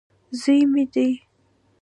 زوی مې دی.